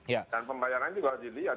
dan pembayaran juga harus dilihat